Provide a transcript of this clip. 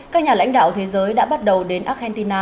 các nhà lãnh đạo thế giới đã bắt đầu đến argentina